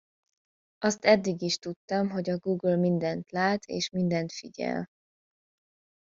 Azt eddig is tudtam, hogy a Google mindent lát és mindent figyel.